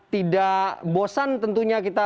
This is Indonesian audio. tidak bosan tentunya kita